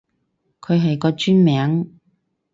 佢係個專名